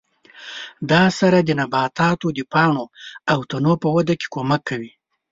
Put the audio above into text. دا سره د نباتاتو د پاڼو او تنو په وده کې کومک کوي.